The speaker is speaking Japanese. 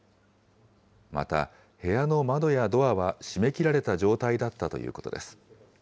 また、部屋の窓やドアは閉めきられた状態だったということです。